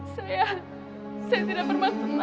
saya saya tidak bermaksud manja